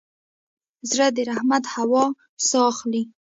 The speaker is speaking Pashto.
زړه د رحمت هوا ساه اخلي.